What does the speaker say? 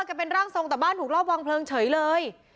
เป็นร่างทรงแต่บ้านถูกรอบวางเพลิงเฉยเลย